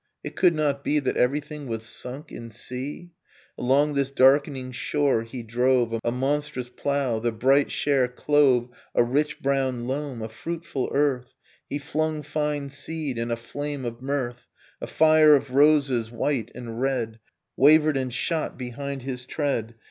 It could not be That everything was sunk in sea? ... Along this darkening shore he drove A monstrous plough, the bright share clove A rich brown loam, a fruitful earth. He flung fine seed, and a flame of mirth, A fire of roses, white and red. Wavered and shot behind his tread.